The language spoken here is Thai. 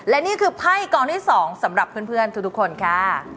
และนี่คือไพ่กองที่๒สำหรับเพื่อนทุกคนค่ะ